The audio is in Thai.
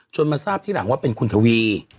มาทราบที่หลังว่าเป็นคุณทวี